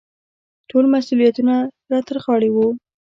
ټول مسوولیتونه را ترغاړې وو.